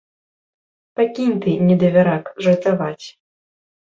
Пакінь ты, недавярак, жартаваць!